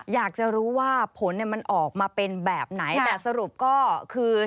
อยากจะรู้ว่าผลมันออกมาเป็นแบบไหนแต่สรุปก็คือ